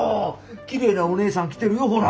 きれいなおねえさん来てるよほら。